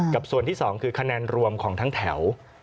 กับส่วนที่๒คือคะแนนรวมของทั้งแถว